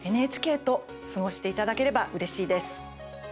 ＮＨＫと過ごしていただければうれしいです。